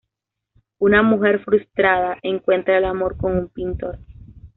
Una mujer frustrada encuentra el amor con un pintor.